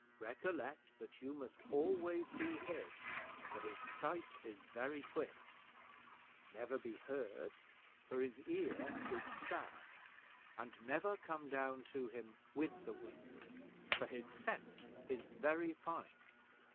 Recollect that you must always be hid, for his sight is very quick; never be heard, for his ear is sharp; and never come down to him with the wind, for his scent is very fine.